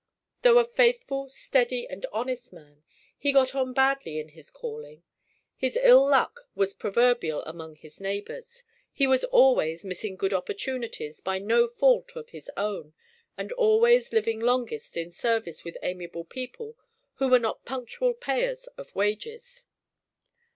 Though a faithful, steady, and honest man, he got on badly in his calling. His ill luck was proverbial among his neighbors. He was always missing good opportunities by no fault of his own, and always living longest in service with amiable people who were not punctual payers of wages.